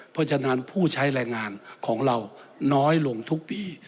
เพราะฉะนั้นผู้ใช้แรงงานของเราน้อยลงทุกปี